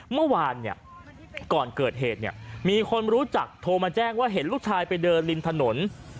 เมื่อวานเนี่ยก่อนเกิดเหตุเนี่ยมีคนรู้จักโทรมาแจ้งว่าเห็นลูกชายไปเดินริมถนน